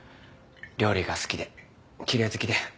料理が好きで奇麗好きで。